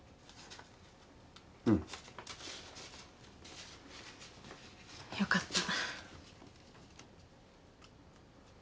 うん。よかった。